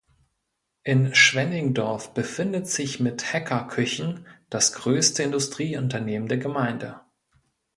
In Schwenningdorf befindet sich mit Häcker Küchen das größte Industrieunternehmen der Gemeinde.